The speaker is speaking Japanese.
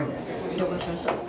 了解しました。